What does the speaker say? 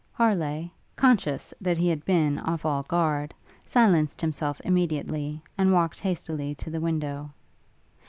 Harleigh, conscious that he had been off all guard, silenced himself immediately, and walked hastily to the window.